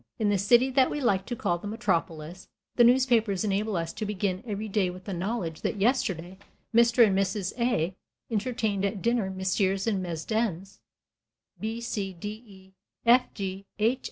In the city that we like to call the metropolis, the newspapers enable us to begin every day with the knowledge that yesterday Mr. and Mrs. A. entertained at dinner Messieurs and Mesdames B., C., D., E., F., G.